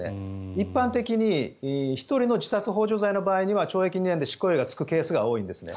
一般的に１人の自殺ほう助罪の場合には懲役２年で執行猶予がつくケースが多いんですね。